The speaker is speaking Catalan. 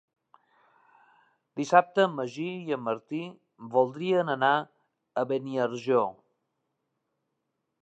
Dissabte en Magí i en Martí voldrien anar a Beniarjó.